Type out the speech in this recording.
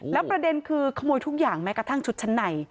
แล้วประเด็นคือขโมยทุกอย่างแม้กระทั่งชุดชั้นใน